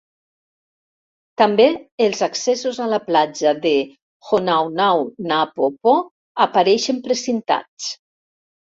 També els accessos a la platja de Honaunau-Napoopoo apareixen precintats.